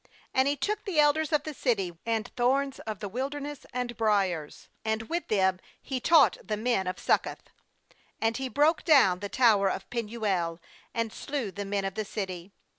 16And he took the elders of the city, and thorns of the wilderness and briers, and with them he taught the men of Succoth. 17And he broke down the tower of Penuel, and slew the men of the city.